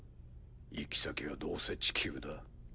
行き先はどうせ地球だ。